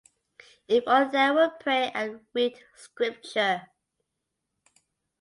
If only they would pray and read Scripture!